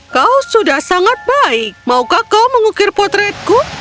kau sudah sangat baik maukah kau mengukir potretku